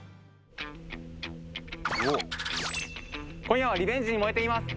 今夜はリベンジに燃えています